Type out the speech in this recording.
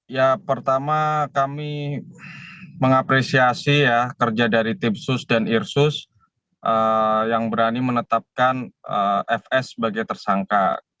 ya pertama kami mengapresiasi ya kerja dari tim sus dan irsus yang berani menetapkan fs sebagai tersangka